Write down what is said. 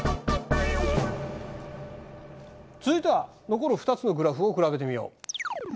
続いては残る２つのグラフを比べてみよう。